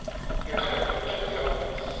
彼、全く打てなかったんです。